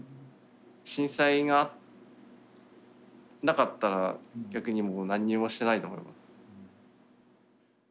震災がなかったら逆にもうなんにもしてないと思います。